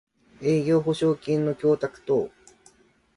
営業保証金の供託等